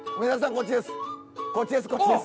こっちです。